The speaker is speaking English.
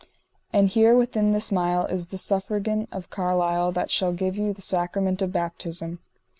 And here within this mile is the Suffragan of Carlisle that shall give you the sacrament of baptism.